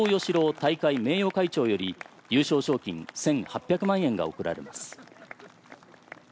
大会名誉会長より優勝賞金１８００万円が贈られます。